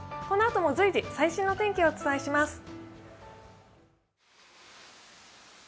このあとも随時、最新のお天気をお伝えします。